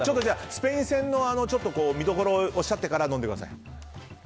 スペイン戦の見どころをおっしゃってから飲んでください。